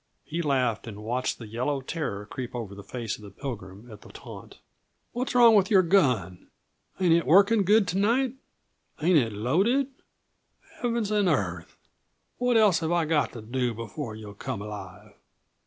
He laughed and watched the yellow terror creep over the face of the Pilgrim at the taunt. "What's wrong with your gun? Ain't it working good to night? Ain't it loaded? "Heavens and earth! What else have I got to do before you'll come alive?